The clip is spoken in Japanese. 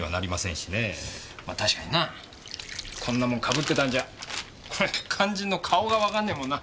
ま確かにな。こんなモノ被ってたんじゃ肝心の顔がわかんねえもんな。